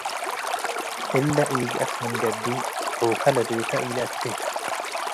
እለ ኢገአት ምን ገብእ ሑከ ለቤተ ኢለአቴ፣